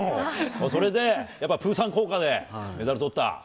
それでやっぱり、プーさん効果でメダルとった？